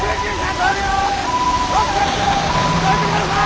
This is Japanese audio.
どいてください！